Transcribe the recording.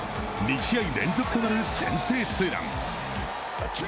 ２試合連続となる先制ツーラン。